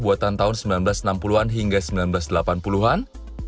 buatan tahun seribu sembilan ratus enam puluh an hingga seribu sembilan ratus delapan puluh an